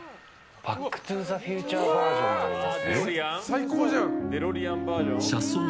「バック・トゥ・ザ・フューチャー」バージョンもあります。